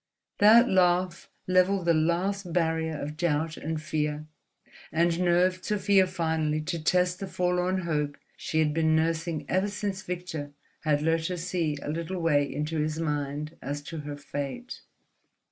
That laugh levelled the last barrier of doubt and fear and nerved Sofia finally to test the forlorn hope she had been nursing ever since Victor had let her see a little way into his mind as to her fate.